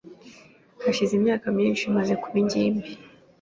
Hashize imyaka myinshi maze kuba ingimbi,